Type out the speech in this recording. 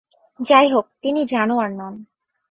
যাইহোক, তিনি জানোয়ার নন।